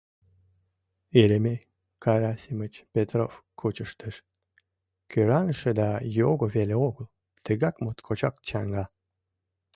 Еремей Карасимыч Петров кӱчыштыш, кӧраныше да його веле огыл, тыгак моткочак чаҥга.